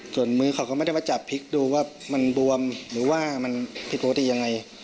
ส่วนมือเขาก็ไม่ได้มาจับพริกดูว่ามันบวมหรือว่ามันผิดปกติยังไง